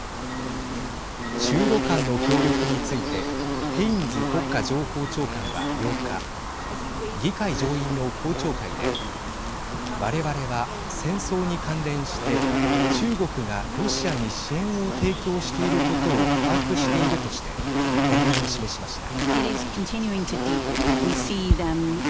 中ロ間の協力についてヘインズ国家情報長官は８日議会上院の公聴会で我々は戦争に関連して中国がロシアに支援を提供していることを把握しているとして懸念を示しました。